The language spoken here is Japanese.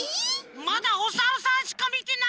まだおサルさんしかみてないんだけど。